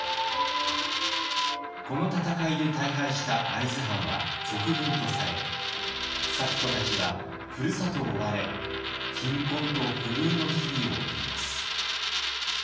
この戦いで大敗した会津藩は賊軍とされ咲子たちはふるさとを追われ貧困と不遇の日々を送ります。